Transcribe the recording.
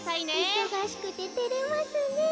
いそがしくててれますねえ。